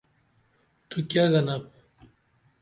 تو کیہ گنپ